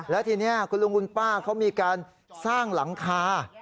แล้วทีนี้คุณลุงคุณป้าเขามีการสร้างหลังคา